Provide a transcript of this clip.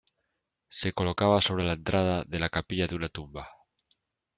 Se colocaba sobre la entrada de la capilla de una tumba.